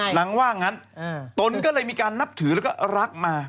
หลังว่างั้นตนก็เลยมีการนับถือแล้วก็รักมา